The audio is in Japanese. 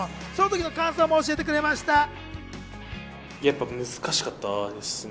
その時の感想も教えてくれました。